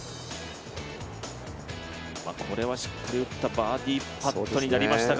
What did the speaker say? これはしっかり打ったバーディーパットになりましたが。